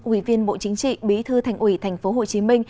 ủy viên bộ chính trị bí thư thành ủy tp hcm